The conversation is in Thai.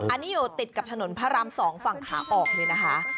อันนี้อยู่ติดกับถนนพระราม๒ฝั่งขาออกเลยนะคะ